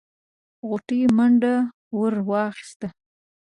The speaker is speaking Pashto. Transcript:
غوټۍ منډه ور واخيسته.